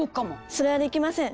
それはできません。